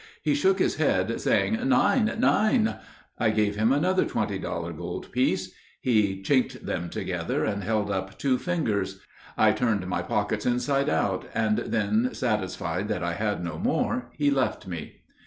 He shook his head, saying, "Nein, nein." I gave him another twenty dollar gold piece; he chinked them together, and held up two fingers. I turned my pockets inside out, and then, satisfied that I had no more, he left me.